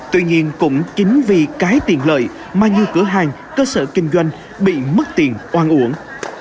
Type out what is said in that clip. tuy nhiên cũng chính vì cái tiền lợi mà nhiều cửa hàng cơ sở kinh doanh bị mất tiền oan uổng